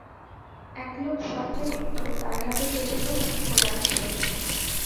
এক লোক স্বপ্নে দেখত, তার হাতে কে যেন পিন ফোটাচ্ছে।